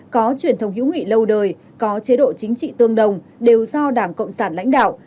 có truyền thống hữu nghị lâu đời có chế độ chính trị tương đồng đều do đảng cộng sản lãnh đạo